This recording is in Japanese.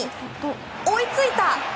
追いついた！